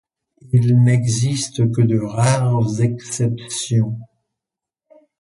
Il n’existe que de rares exceptions